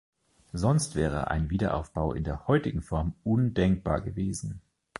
Sonst wäre ein Wiederaufbau in der heutigen Form undenkbar gewesen.